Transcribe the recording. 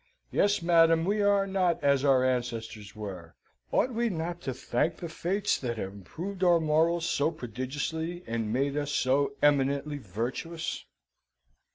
Yes, madam, we are not as our ancestors were. Ought we not to thank the Fates that have improved our morals so prodigiously, and made us so eminently virtuous?